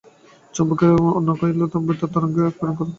চুম্বকের অন্য কয়েল তখন বেতার তরঙ্গ প্রেরণ ও গ্রহণ করে।